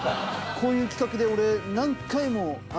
こういう企画で俺。